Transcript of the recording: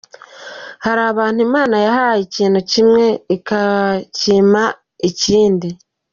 Hari abantu Imana yahaye ikintu kimwe ikabima ikindi.